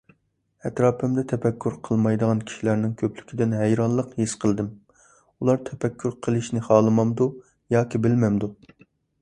ئەتراپىمدا تەپەككۇر قىلمايدىغان كىشىلەرنىڭ كۆپلۈكىدىن ھەيرانلىق ھېس قىلدىم. ئۇلار تەپەككۇر قىلىشنى خالىمامدۇ ياكى بىلمەمدۇ؟